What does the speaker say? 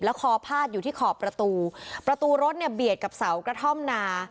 คอพาดอยู่ที่ขอบประตูประตูรถเนี่ยเบียดกับเสากระท่อมนา